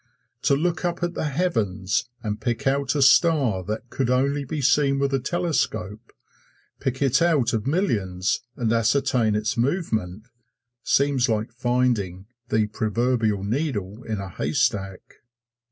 To look up at the heavens and pick out a star that could only be seen with a telescope pick it out of millions and ascertain its movement seems like finding the proverbial needle in a haystack.